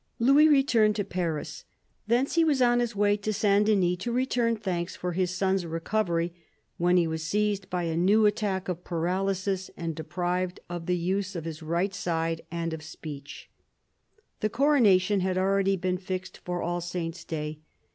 Louis returned to Paris. Thence he was on his way to S. Denys to return thanks for his son's recovery when he was seized by a new attack of paralysis, and de prived of the use of his right side and of speech. The coronation had already been fixed for All Saints' Day.